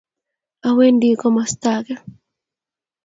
Awendi komasta ake